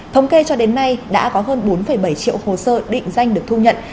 thống kê cho đến nay đã có hơn bốn bảy triệu hồ sơ định danh được thu nhận